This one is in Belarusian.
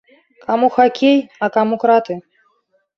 Каму хакей, а каму краты.